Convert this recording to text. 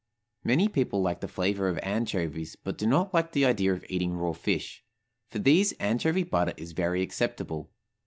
Many people like the flavor of anchovies, but do not like the idea of eating raw fish; for these anchovy butter is very acceptable.